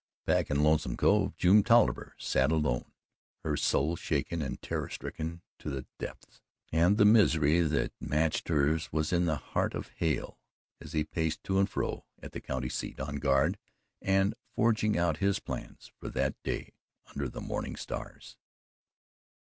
Back in Lonesome Cove June Tolliver sat alone her soul shaken and terror stricken to the depths and the misery that matched hers was in the heart of Hale as he paced to and fro at the county seat, on guard and forging out his plans for that day under the morning stars.